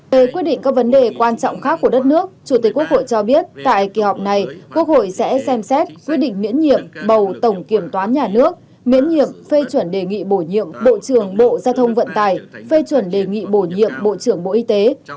về quyết định các vấn đề quan trọng khác của đất nước chủ tịch quốc hội cho biết tại kỳ họp này quốc hội sẽ xem xét quyết định miễn nhiệm bầu tổng kiểm toán nhà nước miễn nhiệm phê chuẩn đề nghị bổ nhiệm bộ trưởng bộ giao thông vận tài phê chuẩn đề nghị bổ nhiệm bộ trưởng bộ y tế